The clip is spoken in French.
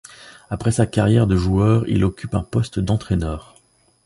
Après sa carrière de joueur, il occupe un poste d'entraîneur.